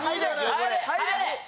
入れ！